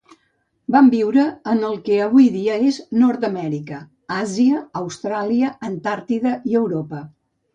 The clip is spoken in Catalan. Van viure en el que avui dia és Nord-amèrica, Àsia, Austràlia, Antàrtida i Europa.